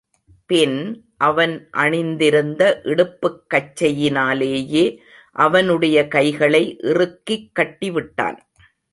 பின் அவன் அணிந்திருந்த இடுப்புக் கச்சையினாலேயே அவனுடைய கைகளை இறுக்கிக் கட்டி விட்டான்.